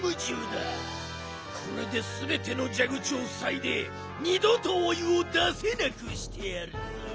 これですべてのじゃぐちをふさいでにどとお湯を出せなくしてやるぞ！